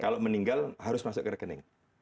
kalau meninggal harus masuk ke rekening